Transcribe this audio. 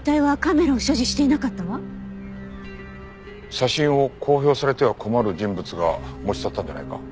写真を公表されては困る人物が持ち去ったんじゃないか？